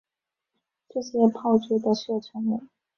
这些炮支的射程为。